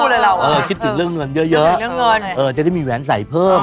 เลยเราเออคิดถึงเรื่องเงินเยอะเยอะคิดเรื่องเงินเออจะได้มีแหวนใส่เพิ่ม